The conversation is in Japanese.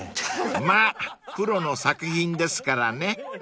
［まぁプロの作品ですからね］